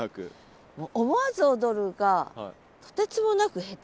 「思わず踊る」がとてつもなく下手。